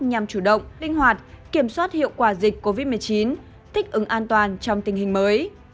nhằm chủ động linh hoạt kiểm soát hiệu quả dịch covid một mươi chín thích ứng an toàn trong tình hình mới